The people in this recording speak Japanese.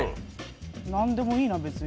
何でもいいな、別に。